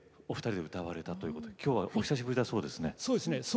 お二人で歌われたということできょうは久しぶりだそうですね。